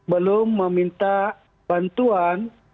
belum meminta bantuan